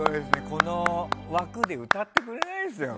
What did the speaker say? この枠で歌ってくれないですよ